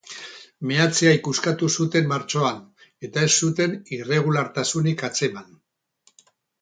Meatzea ikuskatu zuten martxoan eta ez zuten irregulartasunik atzeman.